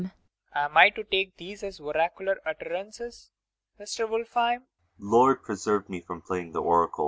] Am I to take these as oracular utterances, Mr. Ulfheim? ULFHEIM. Lord preserve me from playing the oracle!